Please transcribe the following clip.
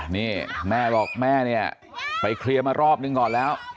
นี่แม่บอกแม่เนี่ยไปเคลียร์มารอบนึงก่อนแล้ว